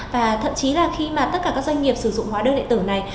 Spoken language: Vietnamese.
và thậm chí là khi mà tất cả các doanh nghiệp sử dụng hóa đơn điện tử này